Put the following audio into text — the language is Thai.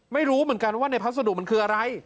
ไม่รู้เหมือนกันว่าในพัสดุมันคืออะไร